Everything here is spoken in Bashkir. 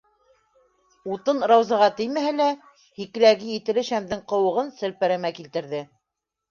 Утын Раузаға теймәһә лә, һикеләге етеле шәмдең ҡыуығын селпәрәмә килтерҙе.